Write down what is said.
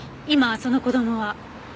今その子供は？